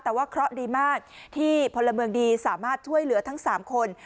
แต่ว่าเคราะห์ดีมากที่พลเมืองดีสามารถช่วยเหลือทั้ง๓คน